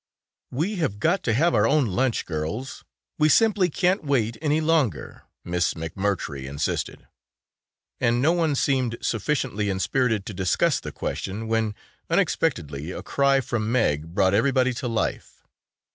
"We have got to have our own lunch, girls, we simply can't wait any longer," Miss McMurtry insisted, and no one seemed sufficiently inspirited to discuss the question, when unexpectedly a cry from Meg brought everybody to life.